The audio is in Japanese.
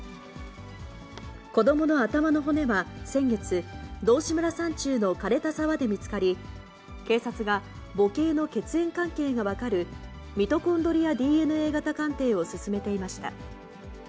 子どもの頭の骨は先月、道志村山中のかれた沢で見つかり、警察が、母系の血縁関係が分かる、ミトコンドリアＤＮＡ型鑑定を進めていました。